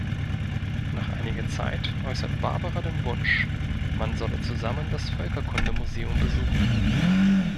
Nach einiger Zeit äußert Barbara den Wunsch, man solle zusammen das Völkerkunde-Museum besuchen.